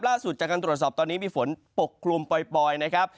ล่าสุดจากการตรวจสอบตอนนี้มีฝนปกคลุมปล่อยนะครับ